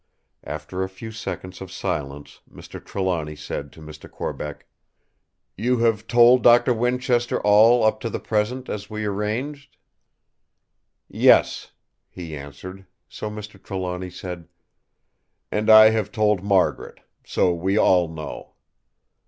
After a few seconds of silence Mr. Trelawny said to Mr. Corbeck: "You have told Doctor Winchester all up to the present, as we arranged?" "Yes," he answered; so Mr. Trelawny said: "And I have told Margaret, so we all know!"